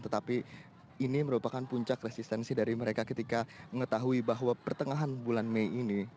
tetapi ini merupakan puncak resistensi dari mereka ketika mengetahui bahwa pertengahan bulan mei ini